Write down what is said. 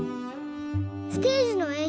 ステージのえん